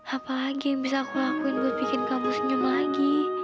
apalagi yang bisa aku lakuin buat bikin kamu senyum lagi